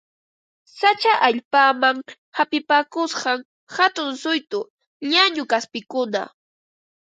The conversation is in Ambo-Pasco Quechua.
Sacha allpaman hapipakusqan hatun suytu llañu kaspikuna